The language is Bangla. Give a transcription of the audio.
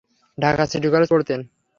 ঢাকা সিটি কলেজে পড়তেন।